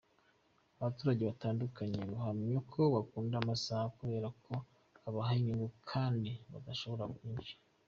Abaturage batandukanye bahamya ko bakunda amasaka kubera ko abaha inyungu kandi batashoye byinshi.